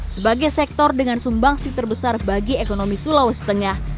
sebagai sektor dengan sumbangsi terbesar bagi ekonomi sulawesi tengah